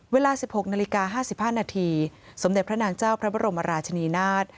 เวลา๑๖นาฬิกา๕๕นาทีสมเด็จพระนางเจ้าพระบรมราชนีนาฏ